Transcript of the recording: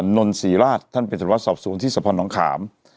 นนศรีราชท่านเป็นศาลวัฒนศ์สอบสูงที่สะพันธ์น้องขาม